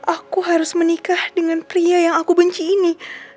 aku harus menikah dengan pria yang aku benci ini